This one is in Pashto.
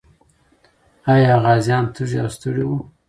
آیا غازیان تږي او ستړي وو؟